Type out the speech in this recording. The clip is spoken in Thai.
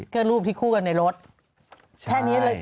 ก็เป็นรูปที่คู่กันในรถ